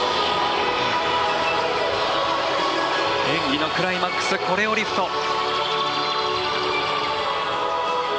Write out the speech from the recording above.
演技のクライマックスコレオリフト。